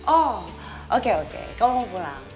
oh oke oke kamu mau pulang